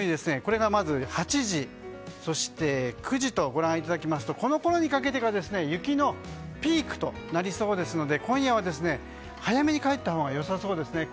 これが、まず８時、９時とご覧いただきますとこのころにかけてから雪のピークとなりそうですので今夜は速めに帰ったほうがいいです。